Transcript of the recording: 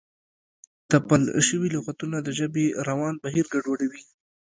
تپل شوي لغتونه د ژبې روان بهیر ګډوډوي.